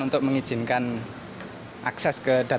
untuk mengizinkan akses ke data